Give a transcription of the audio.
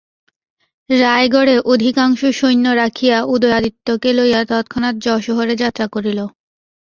রায়গড়ে অধিকাংশ সৈন্য রাখিয়া উদয়াদিত্যকে লইয়া তৎক্ষণাৎ যশোহরে যাত্রা করিল।